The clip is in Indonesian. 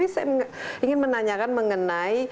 saya ingin menanyakan mengenai